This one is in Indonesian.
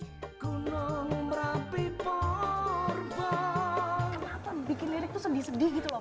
kenapa bikin lirik tuh sedih sedih gitu loh pak